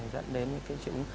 dẫn đến những cái chứng